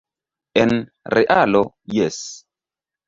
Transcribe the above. En realo, jes.